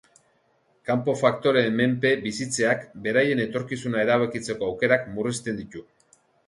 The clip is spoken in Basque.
Kanpo faktoreen menpe bizitzeak beraien etorkizuna erabakitzeko aukerak murrizten ditu.